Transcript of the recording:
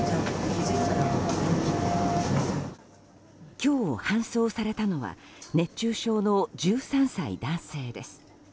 今日搬送されたのは熱中症の１３歳男性です。